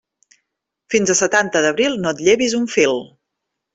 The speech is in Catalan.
Fins a setanta d'abril no et llevis un fil.